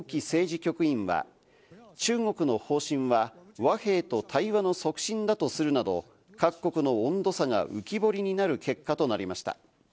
局員は、中国の方針は和平と対話の促進だとするなど各国の温度差が浮き彫りになる結果となりました。